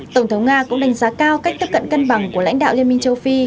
tổng thống nga cũng đánh giá cao cách tiếp cận cân bằng của lãnh đạo liên minh châu phi